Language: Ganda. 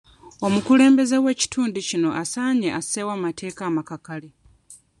Omukulembeze w'ekitundu kino asaanye asseewo amateeka amakakali.